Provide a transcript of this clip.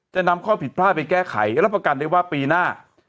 จะนำข้อผิดพลาดไปแก้ไขและรับประกันได้ว่าปีหน้า